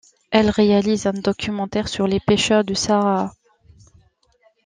Elle réalise un documentaire sur les pêcheurs du Sahara.